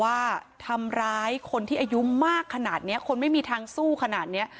ว่าทำร้ายคนที่อายุมากขนาดนี้คนไม่มีทางสู้ขนาดเนี้ย